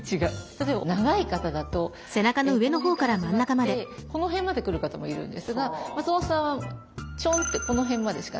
例えば長い方だとこの辺から始まってこの辺まで来る方もいるんですが松本さんはチョンってこの辺までしかないんですね。